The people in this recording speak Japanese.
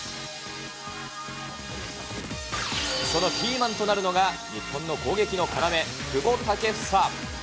そのキーマンとなるのが、日本の攻撃の要、久保建英。